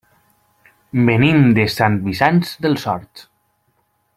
Venim de Sant Vicenç dels Horts.